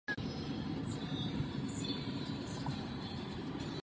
Frost považoval klasické letouny za aerodynamicky velice neefektivní.